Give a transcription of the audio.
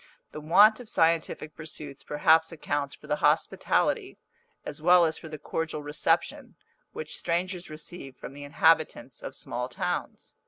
The want of scientific pursuits perhaps accounts for the hospitality, as well as for the cordial reception which strangers receive from the inhabitants of small towns.